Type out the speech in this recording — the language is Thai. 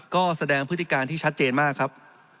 ก็แสดงพฤติการที่ชัดเจนมากครับ